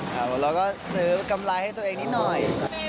เราก็ซื้อกำไรให้ตัวเองนิดหน่อย